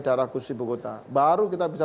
daerah khusus ibu kota baru kita bisa